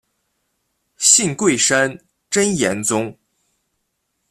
信贵山真言宗。